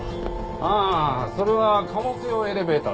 ああそれは貨物用エレベーターです。